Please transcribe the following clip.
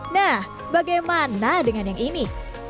nah bagaimana dengan yang ini